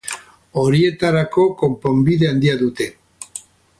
Horietarako konponbide handia dute.